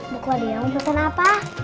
bukla dia pesen apa